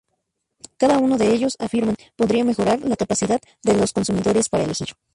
Cada uno de ellos, afirman, podría mejorar la capacidad de los consumidores para elegir.